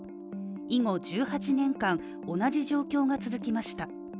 以後１８年間同じ状況が続きました。